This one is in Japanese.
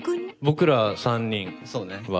僕ら３人は。